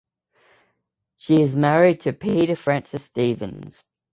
She is married to Peter Francis Stevens.